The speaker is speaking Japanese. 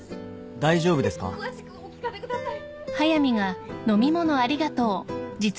「大丈夫ですか？」詳しくお聞かせください。